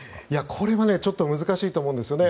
これはちょっと難しいと思うんですよね。